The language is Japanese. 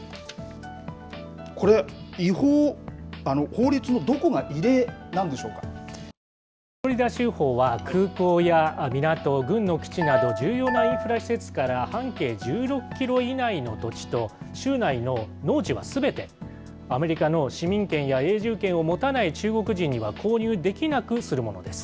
これ、違法、このフロリダ州法は、空港や港、軍の基地など、重要なインフラ施設から半径１６キロ以内の土地と、州内の農地はすべてアメリカの市民権や永住権を持たない中国人には購入できなくするものです。